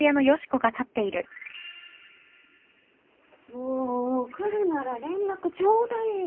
・もう来るなら連絡ちょうだいよ。